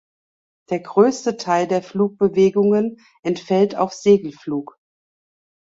Der größte Teil der Flugbewegungen entfällt auf Segelflug.